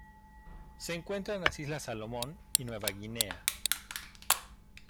Se encuentra en las Islas Salomón y Nueva Guinea.